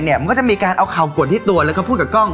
เวลาอยู่กับมันมากระวังมันจะแว้งกันนะครับผม